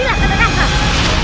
pergilah ke neraka